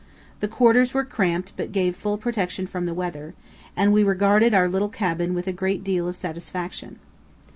The quarters were cramped but gave full protection from the weather, and we regarded our little cabin with a great deal of satisfaction.